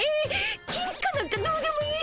金貨なんかどうでもいい。